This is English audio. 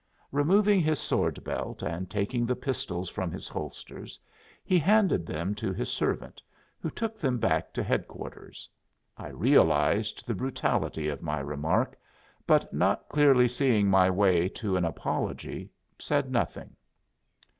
Removing his sword belt and taking the pistols from his holsters he handed them to his servant, who took them back to headquarters. I realized the brutality of my remark, but not clearly seeing my way to an apology, said nothing.